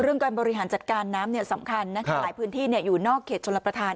เรื่องการบริหารจัดการน้ำเนี่ยสำคัญนะหลายพื้นที่เนี่ยอยู่นอกเขตชนรับประธาน